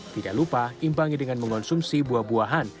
tidak lupa imbangi dengan mengonsumsi buah buahan